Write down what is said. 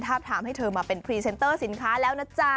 ถามให้เธอมาเป็นพรีเซนเตอร์สินค้าแล้วนะจ๊ะ